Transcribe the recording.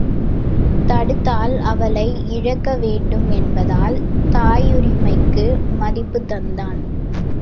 தடுத்தால் அவளை இழக்க வேண்டும் என்பதால் தாயுரிமைக்கு மதிப்புத் தந்தான்.